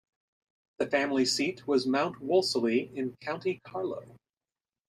The family seat was Mount Wolseley in County Carlow.